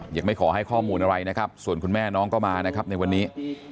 ยังไม่ขอให้ข้อมูลอะไรนะครับส่วนคุณแม่น้องก็มานะครับในวันนี้